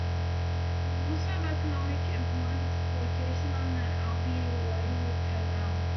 Also of economic importance is its location on the Elbe Lateral Canal.